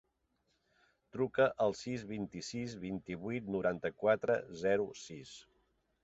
Truca al sis, vint-i-sis, vint-i-vuit, noranta-quatre, zero, sis.